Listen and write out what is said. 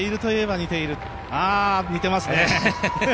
似てますね。